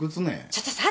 ちょっと聡。